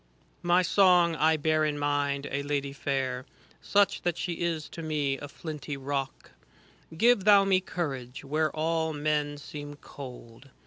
"" My Song, I bear in mind a Lady fair, Such that she is to me as flinty rock ; Give thou me courage, where all men seem cold.